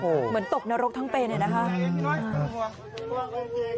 โอ้โหเหมือนตกนรกทั้งเป็นเหรอครับ